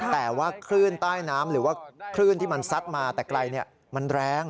แต่ว่าคลื่นใต้น้ำหรือว่าคลื่นที่มันซัดมาแต่ไกลมันแรง